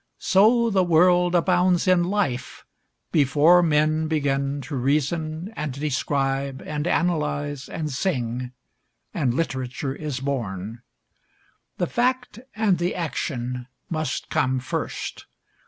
So the world abounds in life before men begin to reason and describe and analyze and sing, and literature is born. The fact and the action must come first.